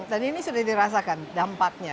dan ini sudah dirasakan dampaknya